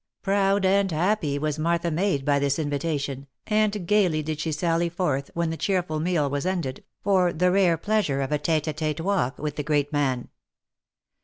Proud and happy was Martha made by this invitation, and gaily did OF MICHAEL ARMSTRONG. 159 she sally forth, when the cheerful meal was ended, for the rare pleasure of a tete a tete walk with the great man.